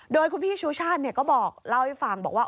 โดยคุณพี่ชูชาติก็บอกเล่าให้ฟังบอกว่า